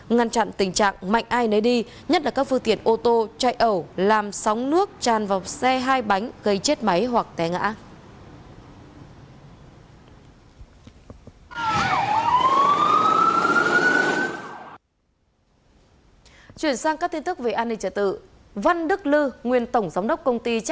ngăn chặn tình trạng mạnh ai nấy đi nhất là các phương tiện ô tô chạy ẩu làm sóng nước tràn vào xe hai bánh gây chết máy hoặc té ngã